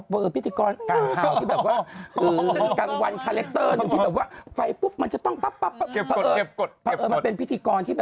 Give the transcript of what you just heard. สวัสดีครับค่ะณเป็นแล้วหรือสวัสดีค่ะ